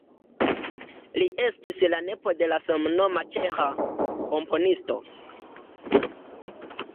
Li estis la nepo de la samnoma ĉeĥa komponisto.